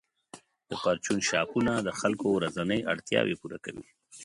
د پرچون شاپونه د خلکو ورځنۍ اړتیاوې پوره کوي.